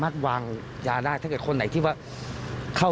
ผมโอบของลูกว่าพ่อลูกอยู่บ้านนะ